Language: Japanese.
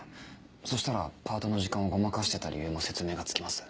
そしたらパートの時間をごまかしてた理由も説明がつきます。